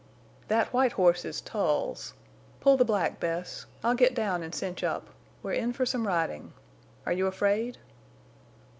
"That white horse is Tull's. Pull the black, Bess. I'll get down and cinch up. We're in for some riding. Are you afraid?"